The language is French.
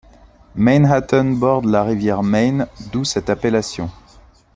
Mainhattan borde la rivière Main, d'où cette appellation.